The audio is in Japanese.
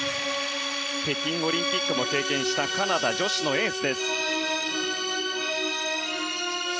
北京オリンピックも経験したカナダ女子のエース。